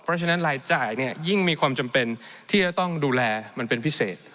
เพราะฉะนั้นรายจ่ายเนี่ยยิ่งมีความจำเป็นที่จะต้องดูแลมันเป็นพิเศษ